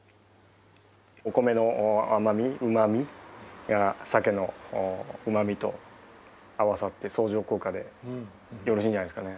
お米の甘みうまみがサケのうまみと合わさって相乗効果でよろしいんじゃないですかね。